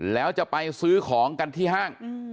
แล้วจะไปซื้อของกันที่ห้าง